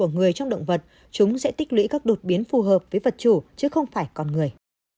người trong động vật chúng sẽ tích lũy các đột biến phù hợp với vật chủ chứ không phải con người